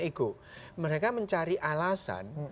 ego mereka mencari alasan